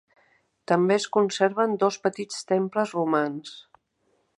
També es conserven dos petits temples romans.